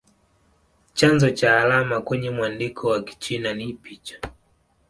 Chanzo cha alama kwenye mwandiko wa Kichina ni picha.